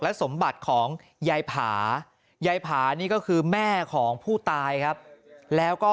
สมบัติของยายผายายผานี่ก็คือแม่ของผู้ตายครับแล้วก็